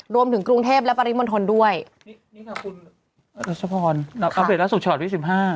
รวมถึงกรุงเทพฯและปริมณฑลด้วยนี่นี่ค่ะคุณอรัชพรค่ะเอาเป็นลักษณ์สุดชอบที่สิบห้า